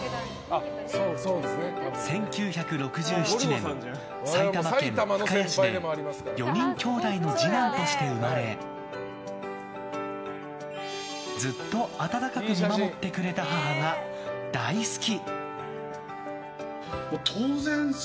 １９６７年、埼玉県深谷市で４人きょうだいの次男として生まれずっと温かく見守ってくれた母が大好き。